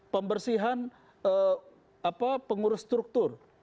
pembersihan pengurus struktur